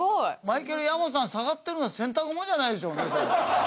マイケルやもさん下がってるの洗濯物じゃないでしょうね？